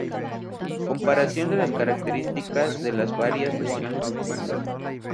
Comparación de las características de las varias versiones disponibles.